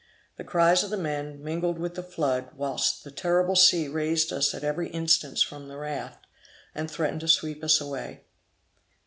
The cries of the men, mingled with the flood, whilst the terrible sea raised us at every instant from the raft, and threatened to sweep us away.